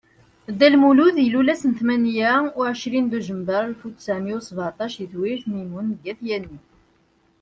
Dda Lmulud ilul ass tmenya u ɛecrin Duǧember Alef u ttɛemya u sbaɛṭac di Tewrirt Mimun deg At Yanni.